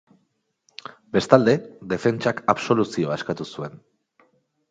Bestalde, defentsak absoluzioa eskatu zuen.